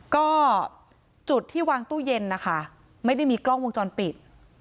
ก็จุดที่วางตู้เย็นนะคะไม่ได้มีกล้องวงจรปิด